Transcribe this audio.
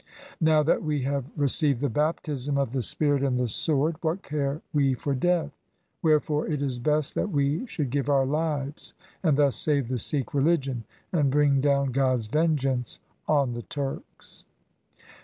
Now that we have received the baptism of the spirit and the sword, what care we for death ? Wherefore it is best that we should give our lives, thus save the Sikh religion, and bring down God's vengeance on the Turks.'